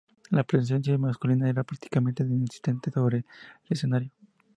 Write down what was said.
La presencia masculina era prácticamente inexistente sobre el escenario.